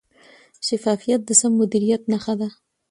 شفافیت د سم مدیریت نښه ده.